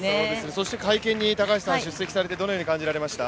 そして会見に出席されてどのように感じられました？